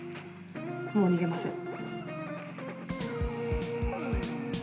もう逃げません。